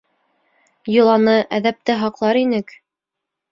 Йоланы, әҙәпте һаҡлар инек.